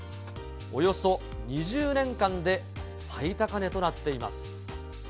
およそ２０年間で最高値となっています。